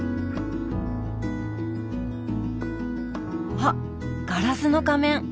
あっ「ガラスの仮面」。